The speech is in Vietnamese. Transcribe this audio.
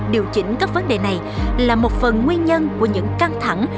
điều chỉnh các vấn đề này là một phần nguyên nhân của những căng thẳng